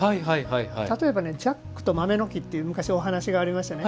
例えば「ジャックと豆の木」という昔、お話がありましたね。